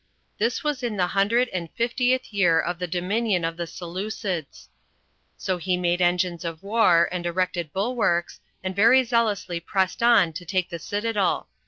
This was in the hundred and fiftieth year of the dominion of the Seleucidse. So he made engines of war, and erected bulwarks, and very zealously pressed on to take the citadel.